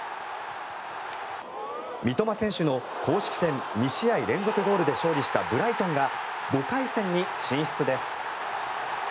三笘選手の公式戦２試合連続ゴールで勝利したブライトンが５回戦に進出です。